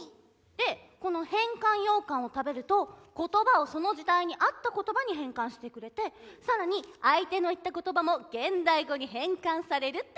でこの変換羊羹を食べると言葉をその時代に合った言葉に変換してくれてさらに相手の言った言葉も現代語に変換されるっていう。